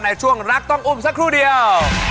ในช่วงรักต้องอุ้มสักครู่เดียว